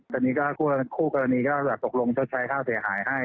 ตอนนี้ก็คู่กรณีก็จะตกลงชดใช้ค่าเสียหายให้